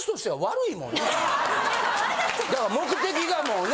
だから目的がもうね。